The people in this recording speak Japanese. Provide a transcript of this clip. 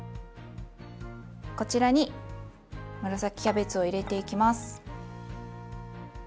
こちらに紫キャベツを入れていきます。